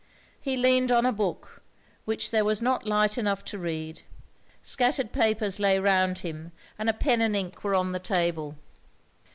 He leaned on a book, which there was not light enough to read; scattered papers lay round him, and a pen and ink were on the table.